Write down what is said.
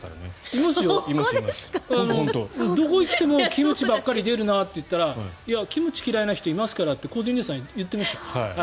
いますよ、どこに行ってもキムチばっかり出るなと言ったらいや、キムチ嫌いな人いますからってコーディネーターさんが言ってました。